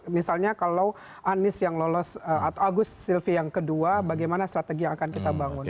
misalnya kalau anies yang lolos atau agus silvi yang kedua bagaimana strategi yang akan kita bangun